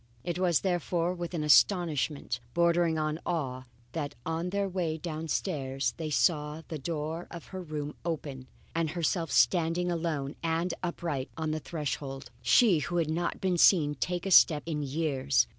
It was therefore with an astonishment, bordering on awe, that on their way downstairs, they saw the door of her room open and herself standing alone and upright on the threshold she who had not been seen to take a step in years.